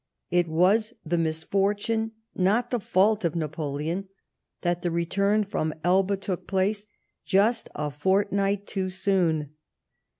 It was the misfortune, not the fault, of Napoleon, that the return from Elba took place just a fortnight too soon.